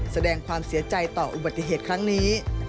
แสดงความเสียใจต่ออุบัติเหตุครั้งนี้